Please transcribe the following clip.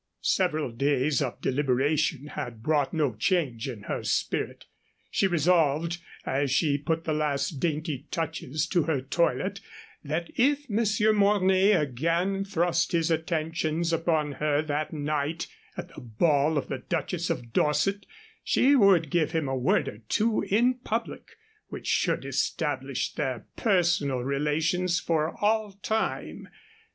Several days of deliberation had brought no change in her spirit. She resolved, as she put the last dainty touches to her toilet, that if Monsieur Mornay again thrust his attentions upon her that night at the ball of the Duchess of Dorset, she would give him a word or two in public which should establish their personal relations for all time.